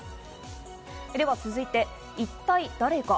では続いて、一体誰が？